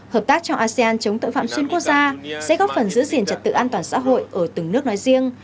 hợp tác trong asean chống tội phạm xuyên quốc gia sẽ góp phần giữ diện trật tự an toàn xã hội ở từng nước nói riêng